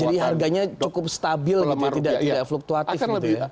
jadi harganya cukup stabil gitu ya tidak fluktuatif gitu ya